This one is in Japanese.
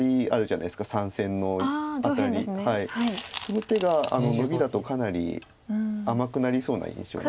その手がノビだとかなり甘くなりそうな印象なんです。